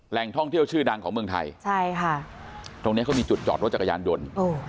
ท่องเที่ยวชื่อดังของเมืองไทยใช่ค่ะตรงเนี้ยเขามีจุดจอดรถจักรยานยนต์